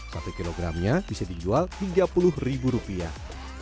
satu kilogramnya bisa dijual tiga puluh ribu rupiah